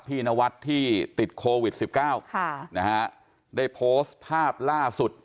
พี่นวัตต์ที่ติดโควิด๑๙ได้โพสต์ภาพล่าสุด